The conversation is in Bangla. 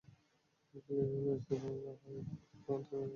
এমনকি লিওনেল মেসিও ফর্ম হারিয়ে ফেলেছেন, কিন্তু বিরাট কোহলির ব্যাটে রান চলছেই।